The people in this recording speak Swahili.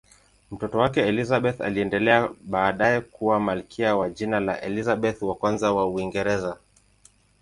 Mtoto wake Elizabeth aliendelea baadaye kuwa malkia kwa jina la Elizabeth I wa Uingereza.